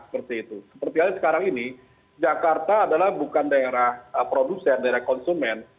seperti halnya sekarang ini jakarta adalah bukan daerah produsen daerah konsumen